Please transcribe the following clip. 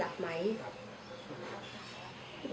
แล้วบอกว่าไม่รู้นะ